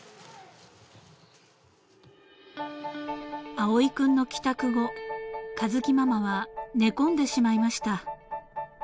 ［葵君の帰宅後佳月ママは寝込んでしまいました］